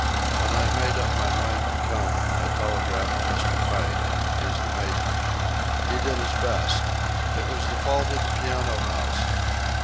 When I made up my mind to come, I telegraphed Mr. Pike—he's the mate, you know. He did his best. It was the fault of the piano house.